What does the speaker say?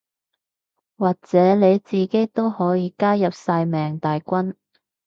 或者你自己都可以加入曬命大軍